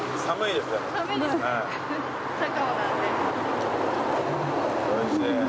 寒いですね。